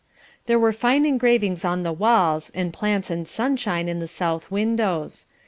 There were fine engravings on the walls, and plants and sunshine in the south windows.